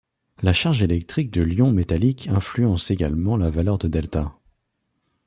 La charge électrique de l'ion métallique influence également la valeur de Δ.